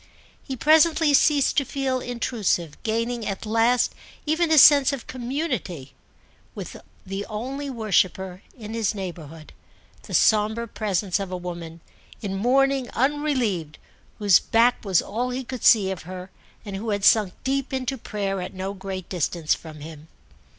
He presently ceased to feel intrusive, gaining at last even a sense of community with the only worshipper in his neighbourhood, the sombre presence of a woman, in mourning unrelieved, whose back was all he could see of her and who had sunk deep into prayer at no great distance from him.